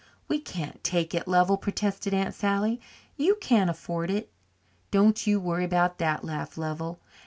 "We can't take it, Lovell," protested Aunt Sally. "You can't afford it." "Don't you worry about that," laughed Lovell.